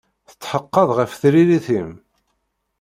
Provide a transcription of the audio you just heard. Tetḥeqqeḍ ɣef tririt-im?